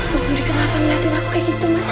mas udi kenapa melihat aku seperti itu mas